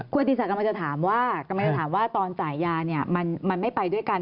คุณธิสัยกำลังจะถามว่าตอนจ่ายยามันไม่ไปด้วยกัน